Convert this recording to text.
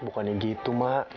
bukannya gitu emak